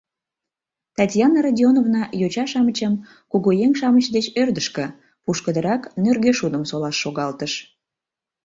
Татьяна Родионовна йоча-шамычым кугу еҥ-шамыч деч ӧрдыжкӧ, пушкыдырак нӧргӧ шудым солаш шогалтыш.